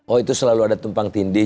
oh itu selalu ada tumpang tindih